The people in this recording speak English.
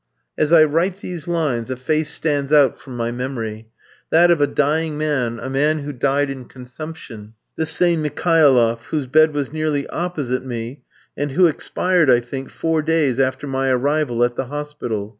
As I write these lines, a face stands out from my memory: that of a dying man, a man who died in consumption, this same Mikhailoff, whose bed was nearly opposite me, and who expired, I think, four days after my arrival at the hospital.